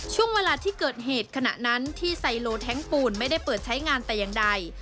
ช่วงเวลาที่เกิดเหตุขณะนั้นที่ไซโลแท้งปูนไม่ได้เปิดใช้งานแต่อย่างใด